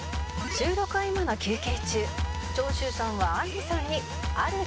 「収録合間の休憩中長州さんはあんりさんにある提案をします」